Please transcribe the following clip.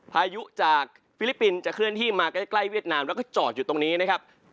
พายุจากฟิลิปปินส์จะเคลื่อนที่มาใกล้เวียดนามแล้วก็จอดอยู่ตรงนี้นะครับ